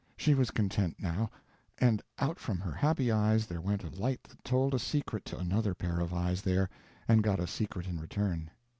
She was content now; and out from her happy eyes there went a light that told a secret to another pair of eyes there and got a secret in return.